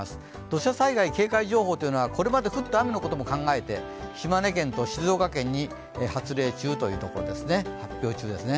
土砂災害警戒情報というのはこれまで降った雨のことも考えて、島根県と静岡県に発表中です。